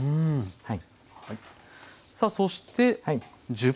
はい。